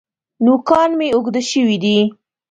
نوکان مي اوږده شوي دي .